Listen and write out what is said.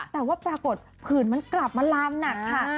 แต่ว่าปรากฏผื่นมันกลับมาลามหนักค่ะ